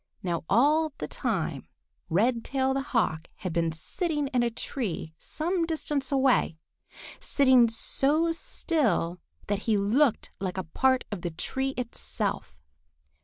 _] Now all the time, Redtail the Hawk had been sitting in a tree some distance away, sitting so still that he looked like a part of the tree itself.